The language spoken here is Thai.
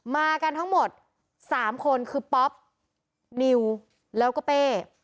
มากันทั้งหมด๓คนคือป๊อปนิวแล้วก็เป้